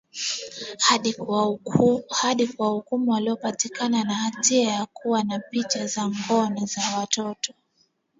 Hadi kuwahukumu waliopatikana na hatia ya kuwa na picha za ngono za watoto.